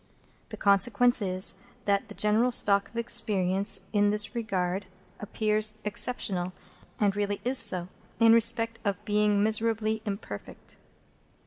The consequence is, that the general stock of experience in this regard appears exceptional, and really is so, in respect of being miserably imperfect.